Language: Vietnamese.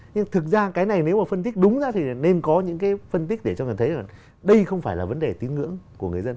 nhưng thực ra cái này nếu mà phân tích đúng ra thì nên có những cái phân tích để cho mình thấy rằng đây không phải là vấn đề tín ngưỡng của người dân